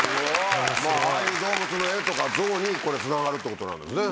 ああいう動物の絵とか像につながるってことなんですね。